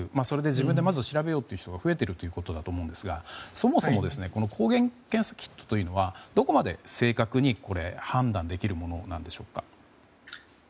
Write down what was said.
それで自分でまず調べようという人が増えていると思うんですがそもそも抗原検査キットというのはどこまで正確に判断できるものなのでしょうか。